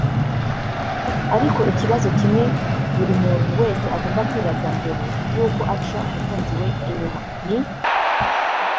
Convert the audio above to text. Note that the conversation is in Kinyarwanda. ariko ikibazo kimwe buri muntu wese agomba kwibaza mbere yuko aca umukunzi we inyuma ni